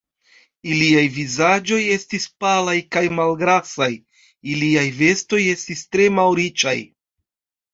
Iliaj vizaĝoj estis palaj kaj malgrasaj, iliaj vestoj estis tre malriĉaj.